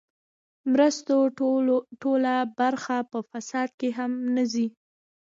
مرستو ټوله برخه په فساد کې هم نه ځي.